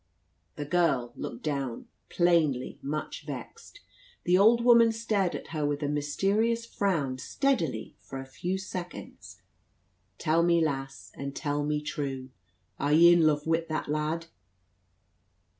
_" The girl looked down, plainly much vexed. The old woman stared at her with a mysterious frown steadily, for a few seconds. "Tell me, lass, and tell me true, are ye in luve wi' that lad?"